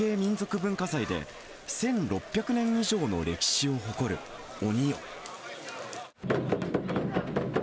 文化財で、１６００年以上の歴史を誇る鬼夜。